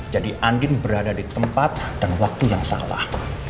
jadi andin berada di tempat dan waktu yang salah